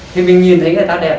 thì mình nhìn thấy người ta đẹp